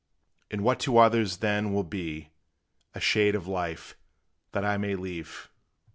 And what to others then will be A shade of life, that I may leave?